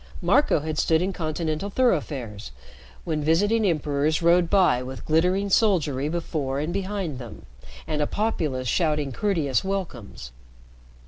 Marco had stood in continental thoroughfares when visiting emperors rode by with glittering soldiery before and behind them, and a populace shouting courteous welcomes.